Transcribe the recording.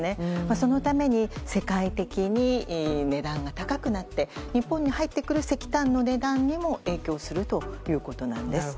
そのために世界的に値段が高くなって日本に入ってくる石炭の値段にも影響するということです。